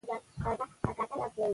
راځئ چې په ګډه د پوهې رڼا خپله کړه.